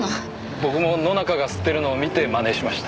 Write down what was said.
僕も野中が吸ってるのを見てまねしました。